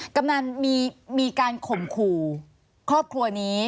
กำนันมีการข่มขู่ครอบครัวนี้